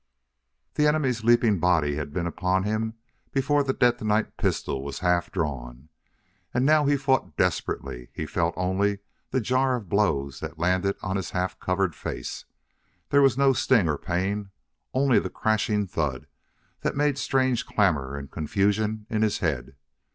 The enemy's leaping body had been upon him before the detonite pistol was half drawn. And now he fought desperately; he felt only the jar of blows that landed on his half covered face. There was no sting or pain, only the crashing thud that made strange clamor and confusion in his head.